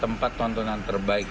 tempat nontonan terbaik